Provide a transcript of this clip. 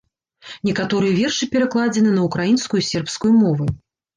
Некаторыя вершы перакладзены на украінскую і сербскую мовы.